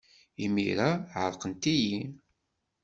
Imir-a, ɛerqent-iyi.